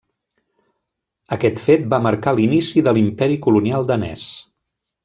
Aquest fet va marcar l'inici de l'imperi colonial danès.